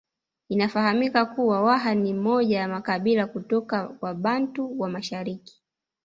Inafahamika kuwa Waha ni moja ya makabila kutoka Wabantu wa mashariki